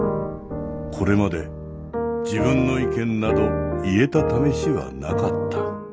これまで自分の意見など言えたためしはなかった。